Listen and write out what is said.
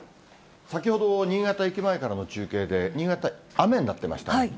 先ほど、新潟駅前からの中継で、新潟、雨になってましたね。